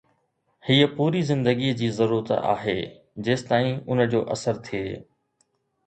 ھيءَ پوري زندگي جي ضرورت آھي جيستائين ان جو اثر ٿئي